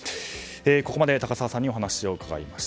ここまで高沢さんにお話を伺いました。